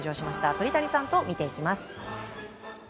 鳥谷さんと見ていきます。